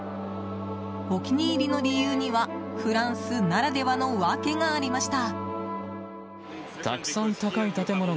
お気に入りの理由にはフランスならではの訳がありました。